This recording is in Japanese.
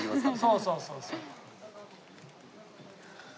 そうそうそうそう。